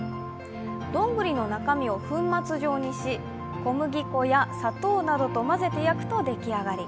どんぐりの中身を粉末状にし、小麦粉や砂糖などと混ぜて焼くとできあがり。